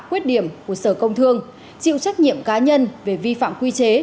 quyết điểm của sở công thương chịu trách nhiệm cá nhân về vi phạm quy chế